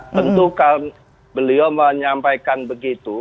tentu kan beliau menyampaikan begitu